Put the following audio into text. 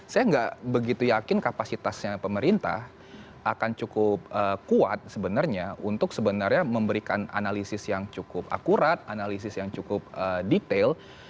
saya nggak begitu yakin kapasitasnya pemerintah akan cukup kuat sebenarnya untuk sebenarnya memberikan analisis yang cukup akurat analisis yang cukup detail